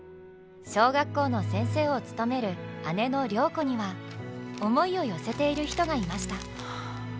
小学校の先生を務める姉の良子には思いを寄せている人がいました。